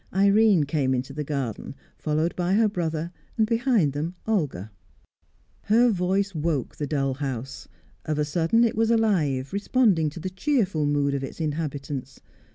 Irene came into the garden, followed by her brother, and behind them Olga. Her voice woke the dull house; of a sudden it was alive, responding to the cheerful mood of its inhabitants.